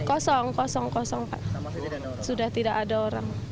kosong kosong kosong sudah tidak ada orang